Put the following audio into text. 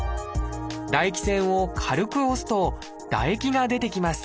唾液腺を軽く押すと唾液が出てきます。